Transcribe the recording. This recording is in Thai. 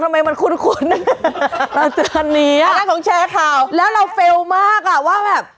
ทำไมมันคุ้นคุ้นเราเจอคันนี้อ่ะแล้วของแชร์ข่าวแล้วเราเฟลมากอ่ะว่าแบบ